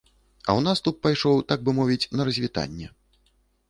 А ў наступ пайшоў, так бы мовіць, на развітанне.